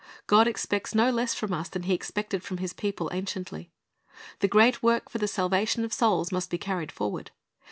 God expects no less from us than He expected from His people anciently. The great work for the salvation of souls must be carried forward.